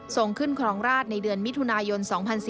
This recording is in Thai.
ส่งขึ้นครองราชในเดือนมิถุนายน๒๔๙